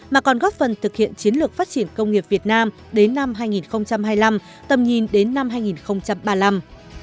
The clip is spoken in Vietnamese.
mà còn góp phần thực hiện chiến lược phát triển công nghiệp việt nam đến năm hai nghìn hai mươi năm tầm nhìn đến năm hai nghìn ba mươi năm